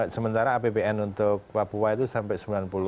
sementara apbn untuk papua itu sampai sembilan puluh